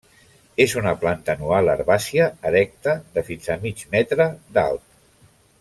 És una planta anual herbàcia erecta, de fins a mig metre d'alt.